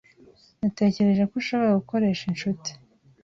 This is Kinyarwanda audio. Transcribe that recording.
Natekereje ko ushobora gukoresha inshuti.